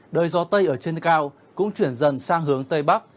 đời gió tây ở trên cao cũng chuyển dần sang hướng tây bắc